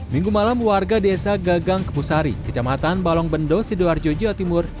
minggu malam warga desa gagang kepusari kecamatan balongbendo sidoarjo jawa timur